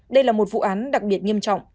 đây là một vụ án đặc biệt nghiêm trọng